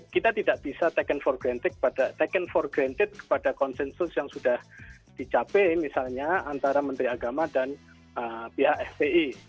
kita tidak bisa taken for granted kepada konsensus yang sudah dicapai misalnya antara menteri agama dan pihak fpi